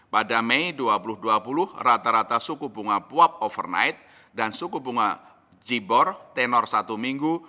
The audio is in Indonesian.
pada mei dua ribu dua puluh rata rata suku bunga puap overnight dan suku bunga gybor tenor satu minggu